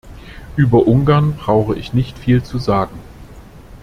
Über Ungarn brauche ich nicht viel zu sagen.